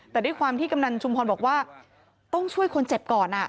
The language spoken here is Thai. แต่ด้วยความที่กำนันชุมพรบอกว่าต้องช่วยคนเจ็บก่อน